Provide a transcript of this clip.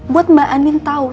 buat mbak andien tau